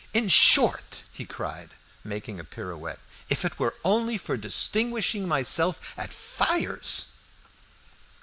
"In short!" he cried, making a pirouette, "if it were only for distinguishing myself at fires!"